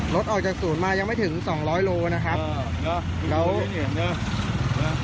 รถออกจากศูนย์มายังไม่ถึงสองร้อยโลนะครับอ่าน่ะแล้วนี่นี่น่ะน่ะ